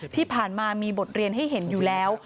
ที่ผ่านมามีบทเรียนให้เห็นอยู่แล้ว